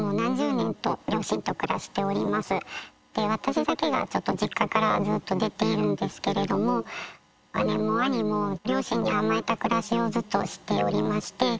私だけがちょっと実家からずっと出ているんですけれども姉も兄も両親に甘えた暮らしをずっとしておりまして。